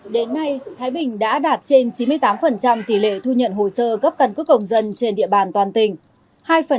đến nay thái bình đã đạt trên chín mươi tám tỷ lệ thu nhận hồ sơ cấp cần cước công dân trên địa bàn toàn tỉnh